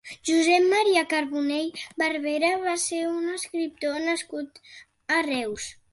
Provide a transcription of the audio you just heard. Josep Maria Carbonell Barberà va ser un escriptor nascut a Reus.